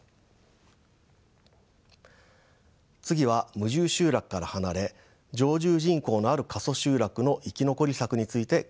次は無住集落から離れ常住人口のある過疎集落の生き残り策について考えます。